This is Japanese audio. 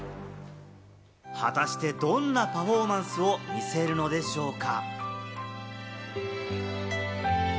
果たして、どんなパフォーマンスを見せるのでしょうか？